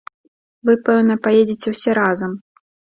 Вы, пэўна, паедзеце ўсе разам.